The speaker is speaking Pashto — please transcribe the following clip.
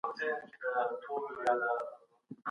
کابل د سیمې د پرمختیايي پلانونو د مخنیوي هڅه نه کوي.